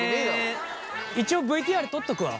一応ＶＴＲ撮っとくわ。